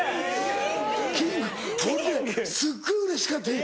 俺すっごいうれしかってん。